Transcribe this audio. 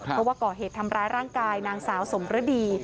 เพราะว่าก่อเหตุทำร้ายร่างกายนางสาวสมฤดี